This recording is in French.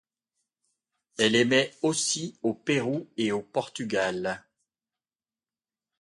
Elle émet aussi au Pérou et au Portugal.